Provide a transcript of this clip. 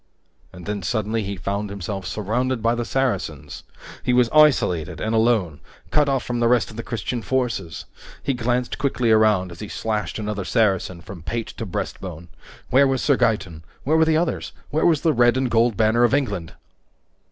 And then, suddenly, he found himself surrounded by the Saracens! He was isolated and alone, cut off from the rest of the Christian forces! He glanced quickly around as he slashed another Saracen from pate to breastbone. Where was Sir Gaeton? Where were the others? Where was the red and gold banner of Richard?